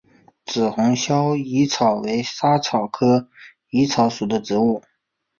紫红鞘薹草为莎草科薹草属的植物。